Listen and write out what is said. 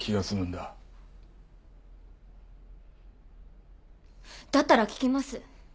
だったら聞きます。